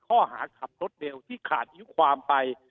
ข้อหาขับรถเร็วที่ขาดอายุความไป